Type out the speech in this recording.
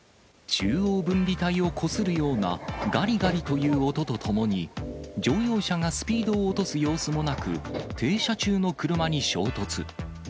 中央分離帯をこするような、がりがりという音とともに、乗用車がスピードを落とす様子もなく、停車中の車に衝突。